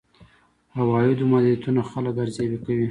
عوایدو محدودیتونه خلک ارزيابي کوي.